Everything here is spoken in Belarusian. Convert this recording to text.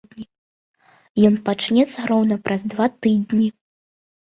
Ён пачнецца роўна праз два тыдні.